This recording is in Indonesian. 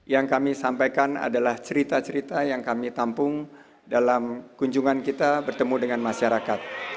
yang kami sampaikan adalah cerita cerita yang kami tampung dalam kunjungan kita bertemu dengan masyarakat